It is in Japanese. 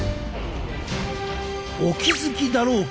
お気付きだろうか！